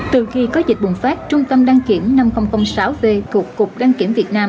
từ khi có dịch bùng phát trung tâm đăng kiểm năm nghìn sáu v thuộc cục đăng kiểm việt nam